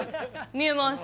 見えます